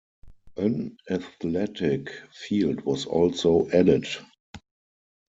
An athletic field was also added.